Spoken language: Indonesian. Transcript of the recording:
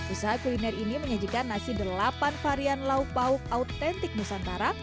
usaha kuliner ini menyajikan nasi delapan varian lauk pauk autentik nusantara